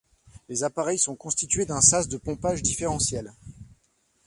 Les appareils sont constitués d'un sas de pompage différentiel.